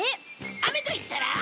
雨と言ったら雨！